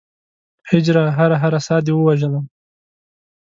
هجره! هره هره ساه دې ووژلم